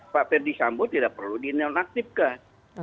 pak ferdisambo tidak perlu di nonaktifkan